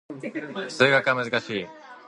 数学は難しい